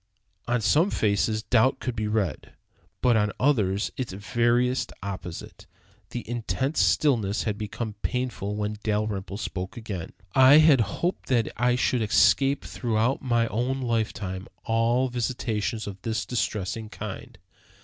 On some faces doubt could be read, but on others its veriest opposite. The intense stillness had become painful when Dalrymple spoke again. "I had hoped that I should escape throughout my own lifetime all visitations of this distressing kind.